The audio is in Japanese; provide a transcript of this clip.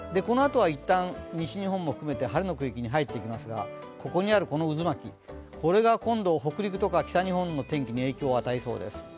このあとは一旦、西日本も含めて晴れの区域に入っていきますがここにあるこの渦巻き、これが今度北陸とか北日本の天気に影響を与えそうです。